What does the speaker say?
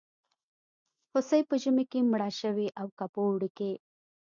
هوسۍ په ژمي کې مړه شوې او که په اوړي کې.